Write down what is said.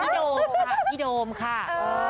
โดมค่ะพี่โดมค่ะ